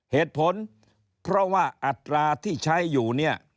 เหตุผลเพราะว่าอัตราที่ใช้อยู่เนี่ย